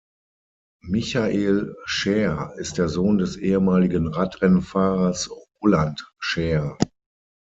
Michael Schär ist der Sohn des ehemaligen Radrennfahrers Roland Schär.